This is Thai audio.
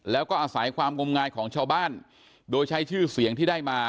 แล้วก็อาศัยความงมงายของชาวบ้านโดยใช้ชื่อเสียงที่ได้มา